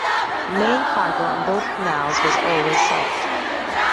The main cargo on both canals was always salt.